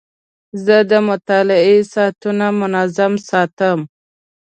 زه د مطالعې ساعتونه منظم ساتم.